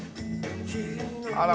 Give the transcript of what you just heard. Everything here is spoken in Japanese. あら！